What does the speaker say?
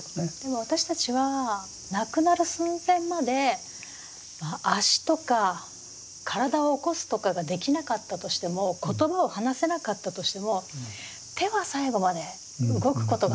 私たちは亡くなる寸前まで足とか体を起こすとかができなかったとしても言葉を話せなかったとしても手は最後まで動くことがありますよね。